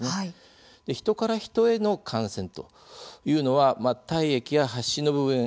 ヒトからヒトへの感染というのは体液や、発疹の部分の接触